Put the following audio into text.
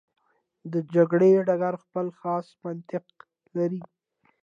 د جګړې ډګر خپل خاص منطق لري.